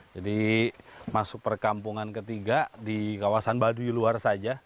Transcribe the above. jadi masuk perkampungan ke tiga di kawasan baduy luar saja